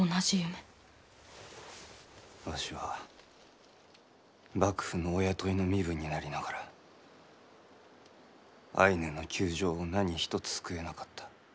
わしは幕府のお雇いの身分になりながらアイヌの窮状を何一つ救えなかった。